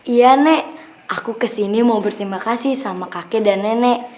iya nek aku kesini mau berterima kasih sama kakek dan nenek